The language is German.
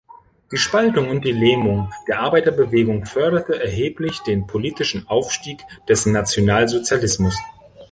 Die Spaltung und Lähmung der Arbeiterbewegung förderte erheblich den politischen Aufstieg des Nationalsozialismus.